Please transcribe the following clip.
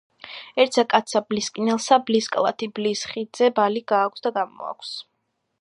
ერთსა კაცსა ბლისკინელსა ბლის კალათი ბლის ხიდზედა ბალი გააქვს და გამოაქვს.